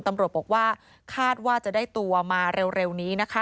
ตำรวจบอกว่าคาดว่าจะได้ตัวมาเร็วนี้นะคะ